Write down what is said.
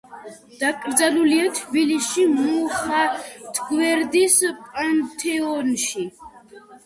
დაკრძალულია თბილისში, მუხათგვერდის პანთეონში.